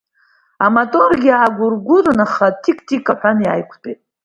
Амоторгьы аагәыргәырын, аха тик-тик аҳәан иааиқәтәеит.